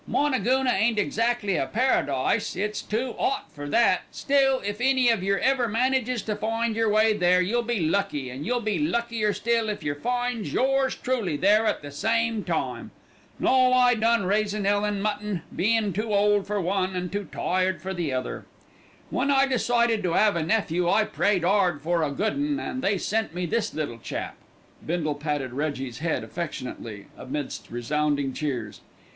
Moonagoona ain't exactly a paradise, it's too 'ot for that; still, if any of yer ever manages to find yer way there you'll be lucky, and you'll be luckier still if yer finds yours truly there at the same time. No; I done raisin' 'ell an' mutton, bein' too old for one an' too tired for the other. "When I decided to 'ave a nephew I prayed 'ard for a good 'un, an' they sent me this little chap." Bindle patted Reggie's head affectionately amidst resounding cheers.